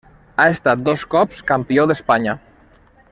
Ha estat dos cops Campió d'Espanya.